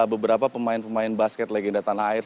beberapa pemain pemain basket legenda tanah air